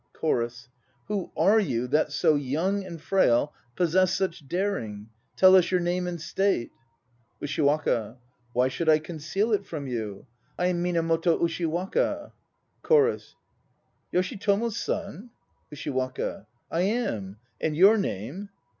CHORUS. Who are you that, so young and frail, possess such daring? Tell us your name and state. USHIWAKA. Why should I conceal it from you? I am Minamoto Ushiwaka. CHORUS. Yoshitomo's son? USHIWAKA. I am. And your name